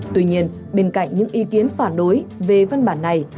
tuy nhiên bên cạnh những ý kiến phản đối về văn bản này